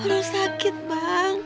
perut sakit bang